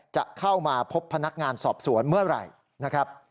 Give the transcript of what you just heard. จะเข้ามาพบพนักงานสอบสวนเมื่อไหร่นะครับ